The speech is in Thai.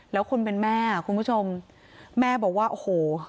แล้วคนเป็นแม่คุณผู้ชมแม่บอกว่าโอ้โห